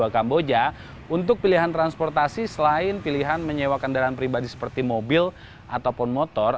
kamboja untuk pilihan transportasi selain pilihan menyewa kendaraan pribadi seperti mobil ataupun motor